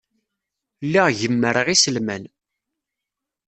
Lliɣ gemmreɣ iselman.